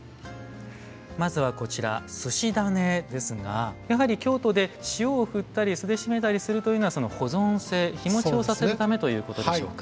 まずはこちらすし種ですがやはり京都で塩をふったり酢でしめたりするというのは保存性日もちをさせるためということでしょうか？